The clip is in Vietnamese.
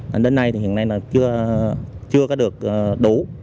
nên đến nay thì hiện nay là chưa có được đủ